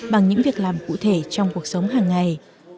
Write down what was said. bằng những việc làm cụ thể trong cuộc sống hàng ngày